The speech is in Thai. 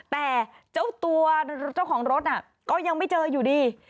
แต่เจ้าตัวเจ้าของรถก็ยังไม่เจออยู่ดี